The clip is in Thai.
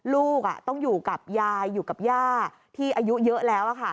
ลูกต้องอยู่กับยายอยู่กับย่าที่อายุเยอะแล้ว